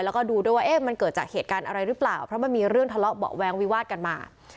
แล้วก็ดูด้วยว่ามันเกิดจากเหตุการณ์อะไรหรือเปล่าเพราะมันมีเรื่องทะเลาะเบาะแว้งวิวาดกันมา